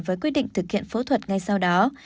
với quyết định thực hiện phẫu thuật ngay sau đó